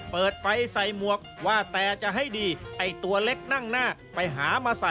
เปิดไฟใส่หมวกว่าแต่ให้ดีไอตัวเล็กนั่งหน้า